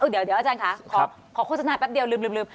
เดี๋ยวอาจารย์ค่ะขอโฆษณาแป๊บเดียวลืม